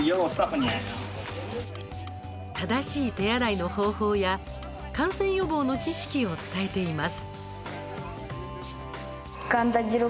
正しい手洗いの方法や感染予防の知識を伝えています。